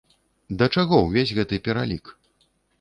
Да чаго ўвесь гэты пералік?